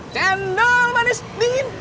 cendol manis dingin